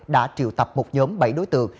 đã triệu tập một nhóm bảy đối tượng